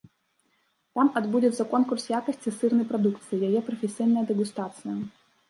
Там адбудзецца конкурс якасці сырнай прадукцыі, яе прафесійная дэгустацыя.